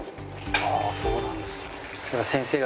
ああそうなんですね。